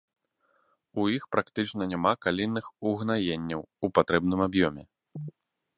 У іх практычна няма калійных угнаенняў у патрэбным аб'ёме.